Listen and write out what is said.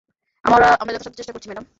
আমরা যথাসাধ্য চেষ্টা করছি, ম্যাডাম।